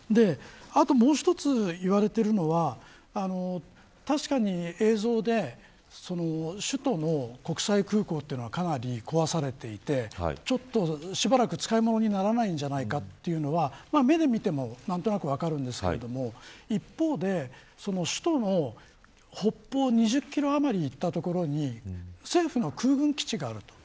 もう一つ、言われているのは確かに映像で首都の国際空港というのはかなり壊されていてしばらく使い物にならないんじゃないかというのは目で見ても何となく分かるんですけれども一方で、首都の北方２０キロ余りいった所に政府の空軍基地があると。